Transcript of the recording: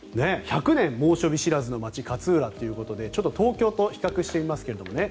１００年猛暑日知らずの街勝浦ということでちょっと東京と比較してみますけどね